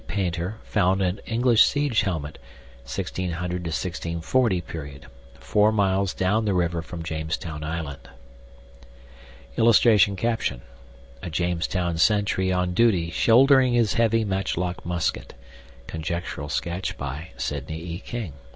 Painter found an English siege helmet (1600 40 period) 4 miles down the river from Jamestown Island. [Illustration: A JAMESTOWN SENTRY ON DUTY SHOULDERING HIS HEAVY MATCHLOCK MUSKET. (Conjectural sketch by Sidney E. King.)